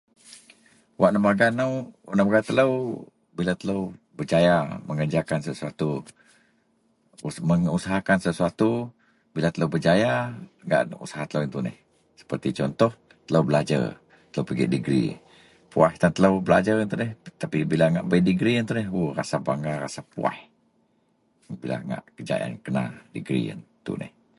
Wak nebaga nou, wak nebaga telou bila telou bejaya mengerejakan sesuatu, mengusahakan sesuatu. Bila telou bejaya ngan usaha telou yen tuneh sepeti contoh telou belajer, telou pigek digri. Puwaih tan telou belajer yen tuneh tapi bila ngak bei digri yen tuneh, rasa bangga rasa puwaih bila ngak kejayaan kenaan digri yen tuneh.